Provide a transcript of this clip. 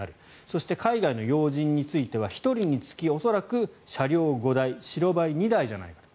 そして海外の要人については１人につき、恐らく車両５台白バイ２台じゃないかと。